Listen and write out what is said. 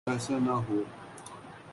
تو ایسا نہ ہو۔